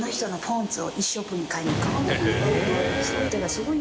すごい。